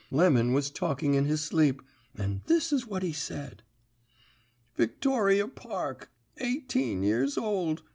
Lemon was talking in his sleep, and this is what he said: "'Victoria Park. Eighteen years old.